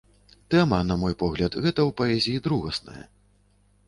Тэма, на мой погляд, гэта ў паэзіі другаснае.